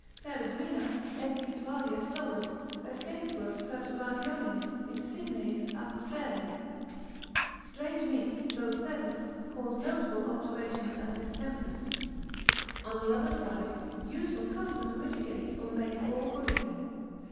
Peregrina, etsi suavia solent vescentibus perturbationes insignes adferre, strange meats, though pleasant, cause notable alterations and distempers. On the other side, use or custom mitigates or makes all good again.